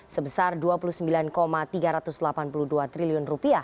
sebesar rp dua puluh sembilan tiga ratus delapan puluh dua triliun